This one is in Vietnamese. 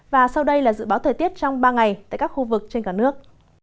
và sau đây là dự báo thời tiết trong ba ngày tại các khu vực trên cả nước